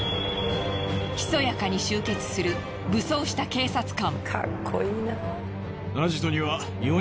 ひそやかに集結する武装した警察官。